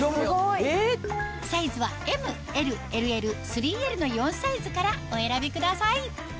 サイズはＭＬＬＬ３Ｌの４サイズからお選びください